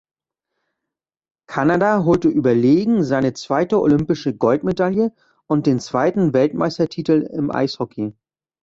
Kanada holte überlegen seine zweite olympische Goldmedaille und den zweiten Weltmeistertitel im Eishockey.